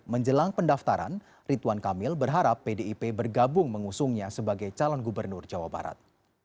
menjelang pendaftaran rituan kamil berharap pdip bergabung mengusungnya sebagai calon gubernur jawa barat